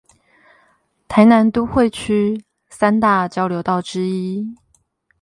臺南都會區三大交流道之一